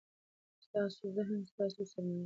ستاسو ذهن ستاسو سرمایه ده.